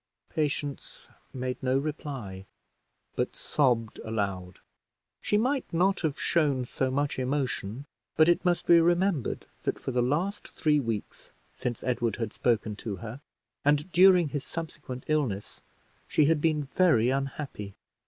Patience made no reply, but sobbed aloud. She might not have shown so much emotion, but it must be remembered that for the last three weeks since Edward had spoken to her, and during his subsequent illness, she had been very unhappy.